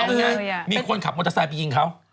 บ๊วยบ๊วยพึงล่ะมีคนขับมอเตอร์ไซล์ไปหญิงเขา